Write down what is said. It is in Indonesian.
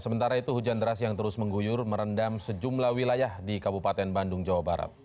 sementara itu hujan deras yang terus mengguyur merendam sejumlah wilayah di kabupaten bandung jawa barat